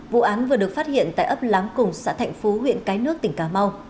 vụ án vừa được phát hiện tại ấp láng cùng xã thạnh phú huyện cái nước tỉnh cà mau